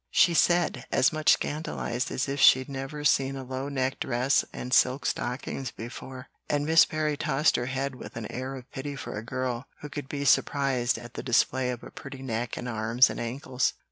she said, as much scandalized as if she'd never seen a low necked dress and silk stockings before;" and Miss Perry tossed her head with an air of pity for a girl who could be surprised at the display of a pretty neck and arms and ankles.